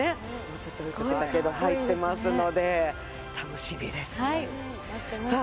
ちょっと映ってたけど入ってますので楽しみですさあ